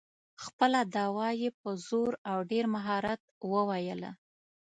خپله دعوه یې په زور او ډېر مهارت وویله.